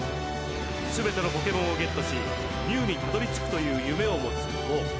すべてのポケモンをゲットしミュウにたどりつくという夢を持つゴウ。